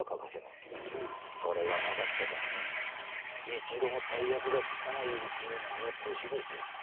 それがなかったため一度も大役がつかないうちにあの年ですよ。